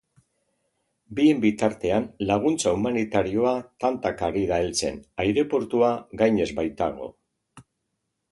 Bien bitartean, laguntza humanitarioa tantaka ari da heltzen, aireportua gainez baitago.